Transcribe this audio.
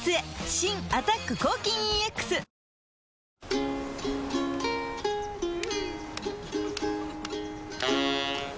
新「アタック抗菌ＥＸ」お父さん。